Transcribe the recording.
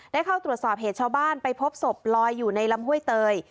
ได้เข้าตรวจสอบเหตุชาวบ้านไปพบศพลอยอยู่ในลำห้วยเตย